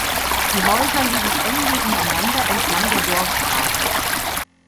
Die Häuser liegen eng nebeneinander entlang der Dorfstraße.